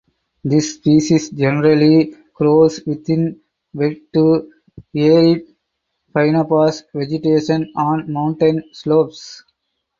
This species generally grows within wet to arid fynbos vegetation on mountain slopes.